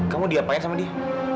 kamu diapain sama dia